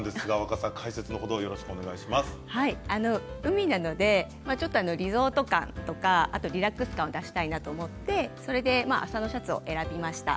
海なのでリゾート感とかリラックス感を出したいと思って麻のシャツを選びました。